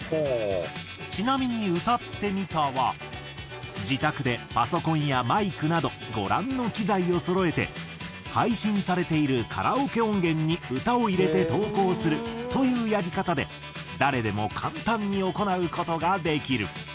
ちなみに「歌ってみた」は自宅でパソコンやマイクなどご覧の機材をそろえて配信されているカラオケ音源に歌を入れて投稿するというやり方で誰でも簡単に行う事ができる。